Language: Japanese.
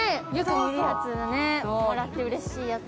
もらってうれしいやつ